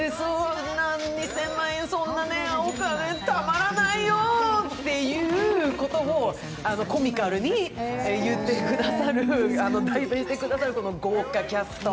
２０００万円、そんなお金たまらないよということもコミカルに言ってくださる代弁して下さる豪華キャスト。